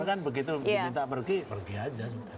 mereka kan begitu minta pergi pergi saja